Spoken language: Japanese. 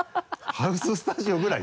ハウススタジオぐらい？